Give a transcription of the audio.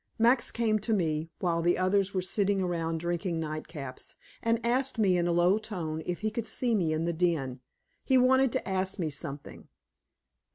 Max came to me while the others were sitting around drinking nightcaps, and asked me in a low tone if he could see me in the den; he wanted to ask me something.